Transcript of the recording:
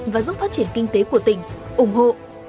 và giúp phát triển kinh tế của tỉnh ủng hộ